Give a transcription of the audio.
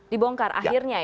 dibongkar akhirnya ya